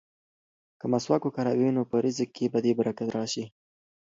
که مسواک وکاروې نو په رزق کې به دې برکت راشي.